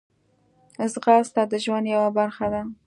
ځغاسته د ژوند یوه برخه ده